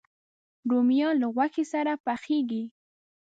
رومیان له غوښې سره پخېږي